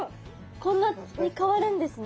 こんなに変わるんですね。